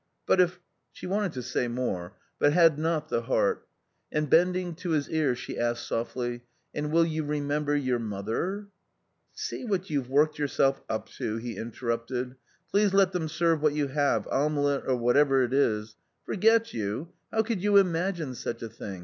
But if " She wanted to say more, but had not the heart; and bending to his ear she asked softly, " And will you re member — your mother ?"" See what you've worked yourself up to," he interrupted, " please let them serve what you have, omelet or whatever it is. Forget you ; how could you imagine such a thing